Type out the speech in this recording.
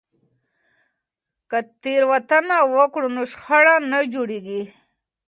که تیریدنه وکړو نو شخړه نه جوړیږي.